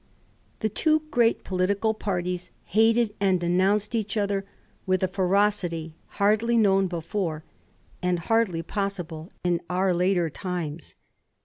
Th§ two great political parties hated and de nounced each other with a ferocity hardly known before, and hardly possible in our later times.